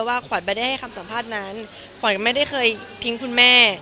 ว่าขวัญไม่ได้ให้คำสัมภาษณ์นั้นขวัญก็ไม่ได้เคยทิ้งคุณแม่